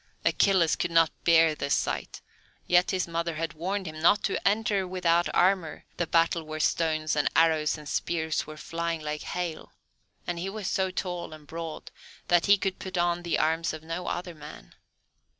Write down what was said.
Achilles could not bear this sight, yet his mother had warned him not to enter without armour the battle where stones and arrows and spears were flying like hail; and he was so tall and broad that he could put on the arms of no other man.